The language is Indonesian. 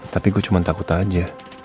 tapi gue cuma takut aja